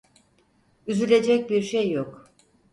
Üzülecek bir şey yok.